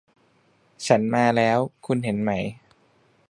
ฉันมาแล้ว คุณเห็นไหม